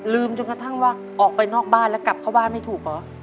จนกระทั่งว่าออกไปนอกบ้านแล้วกลับเข้าบ้านไม่ถูกเหรอ